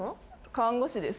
看護師です。